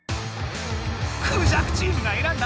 クジャクチームがえらんだ